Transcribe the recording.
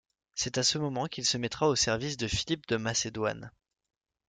C'est à ce moment qu'il se mettra au service de Philippe de Macédoine.